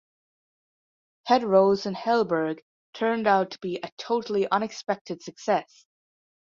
Hederos and Hellberg turned out to be a totally unexpected success.